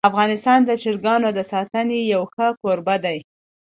افغانستان د چرګانو د ساتنې یو ښه کوربه دی.